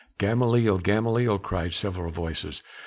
"Gamaliel! Gamaliel!" cried several voices.